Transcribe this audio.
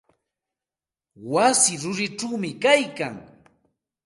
Wasi rurichawmi kaylkan.